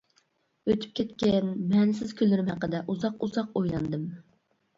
ئۆتۈپ كەتكەن مەنىسىز كۈنلىرىم ھەققىدە ئۇزاق ئۇزاق ئويلاندىم.